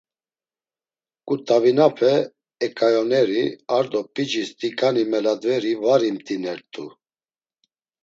K̆utavinape eǩayoneri, ar do p̌icis t̆iǩani meladveri var imt̆inert̆u.